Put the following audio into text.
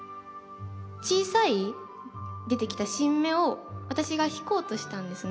小さい出てきた新芽を私が引こうとしたんですね。